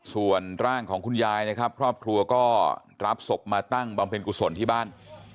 ส่วนร่างของคุณยายนะครับครอบครัวก็รับศพมาตั้งบำเพ็ญกุศลที่บ้าน